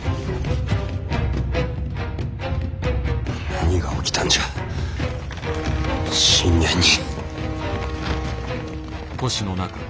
何が起きたんじゃ信玄に。